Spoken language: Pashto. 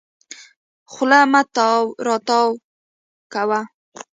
خوله مه تاوې راو تاوې کوه.